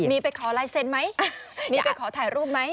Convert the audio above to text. มีไปขอลายเซ็นไหมมีไปขอถ่ายรูปไหม